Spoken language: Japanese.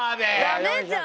ダメじゃん。